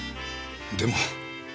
でも。